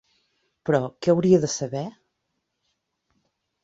Però, què hauria de saber?